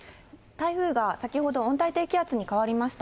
台風が先ほど温帯低気圧に変わりました。